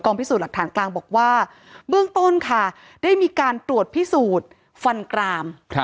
พิสูจน์หลักฐานกลางบอกว่าเบื้องต้นค่ะได้มีการตรวจพิสูจน์ฟันกราม